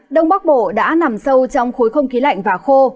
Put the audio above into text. đông bắc bộ đã nằm sâu trong khối không khí lạnh và khô